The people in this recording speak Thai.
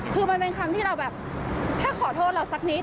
คือมันเป็นคำที่เราแบบถ้าขอโทษเราสักนิด